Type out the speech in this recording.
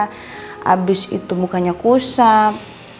habis itu mukanya kusam